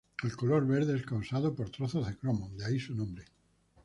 El color verde es causado por trazas de cromo, de ahí su nombre.